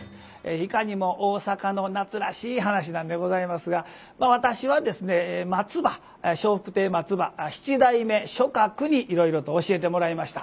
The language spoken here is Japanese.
いかにも大阪の夏らしい噺なんでございますがまあ私はですね松葉笑福亭松葉七代目松鶴にいろいろと教えてもらいました。